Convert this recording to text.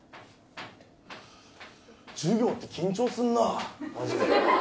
授業って緊張すんなマジでハハハ